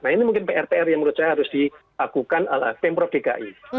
nah ini mungkin prpr yang menurut saya harus diakukan oleh pemprov dki